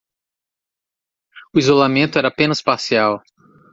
O isolamento era apenas parcial